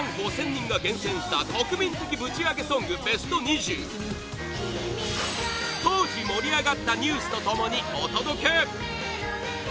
１万５０００人が厳選した国民的ぶちアゲソングベスト２０当時、盛り上がったニュースと共にお届け！